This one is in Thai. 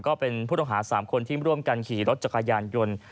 ก็เป็นผู้ต้องหา๓คนที่ร่วมกันขี่รถจักรยานยนต์